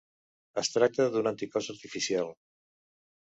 Es tracta d'un anticòs artificial.